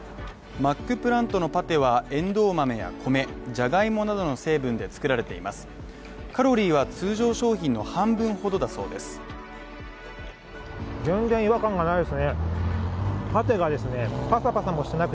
マックプラントのパテはエンドウ豆や米、ジャガイモなどの成分で作られています